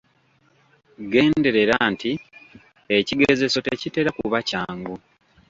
Genderera nti ekigezeso tekitera kuba kyangu.